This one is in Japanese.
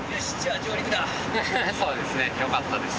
そうですねよかったです。